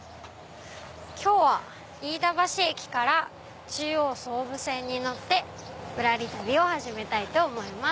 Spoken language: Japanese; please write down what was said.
今日は飯田橋駅から中央・総武線に乗ってぶらり旅を始めたいと思います。